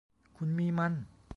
คุณมีมัน